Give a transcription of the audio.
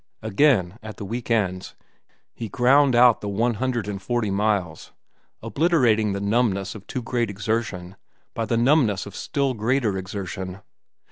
Again, at the week ends, he ground out the one hundred and forty miles, obliterating the numbness of too great exertion by the numbness of still greater exertion.